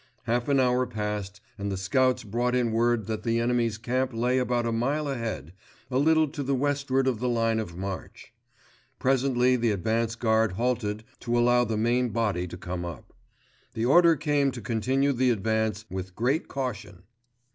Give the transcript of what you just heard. Half an hour passed and the scouts brought in word that the enemy's camp lay about a mile ahead, a little to the westward of the line of march. Presently the advance guard halted to allow the main body to come up. The order came to continue the advance "with great caution."